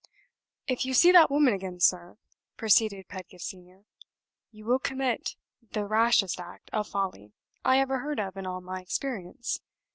"If you see that woman again, sir," proceeded Pedgift Senior, "you will commit the rashest act of folly I ever heard of in all my experience.